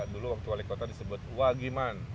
dulu waktu wali kota disebut wagi man